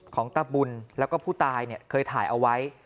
ตะบุญแล้วก็ผู้ตายเคยถ่ายเอาไว้